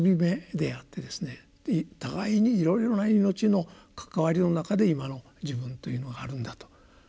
互いにいろいろな命の関わりの中で今の自分というのがあるんだと。